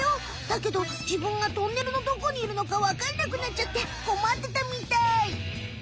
だけどじぶんがトンネルのどこにいるのかわかんなくなっちゃってこまってたみたい。